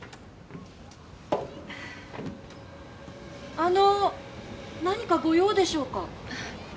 あの何かご用でしょうか？